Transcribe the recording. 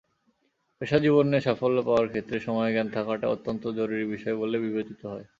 পেশাজীবনে সাফল্য পাওয়ার ক্ষেত্রে সময়জ্ঞান থাকাটা অত্যন্ত জরুরি বিষয় বলেই বিবেচিত হয়।